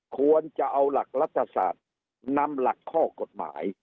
ควรจะเอาหลักรัฐศาสตร์นำหลักข้อกฎหมาย